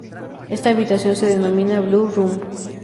Esta habitación se denomina ""blue room"".